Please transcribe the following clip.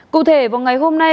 cụ thể vào ngày hôm nay